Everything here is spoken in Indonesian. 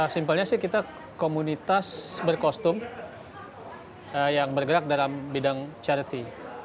simpelnya sih kita komunitas berkostum yang bergerak dalam bidang charity